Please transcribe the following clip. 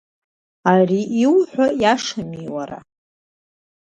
Ари ииҳәо ииашами уара!